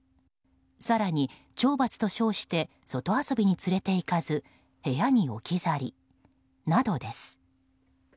更に、懲罰と称して外遊びに連れていかず部屋に置き去りなどです。